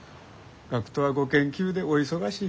学頭はご研究でお忙しい。